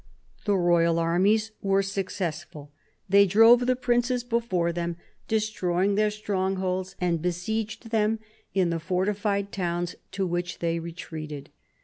The royal armies were successful ; they drove the princes before them, destroying their strongholds, and besieged them in the fortified towns to which they retreated.